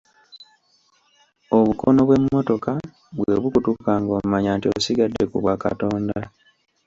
Obukono bw'emmotoka bwe bukutuka ng'omanya nti osigadde ku bwakatonda.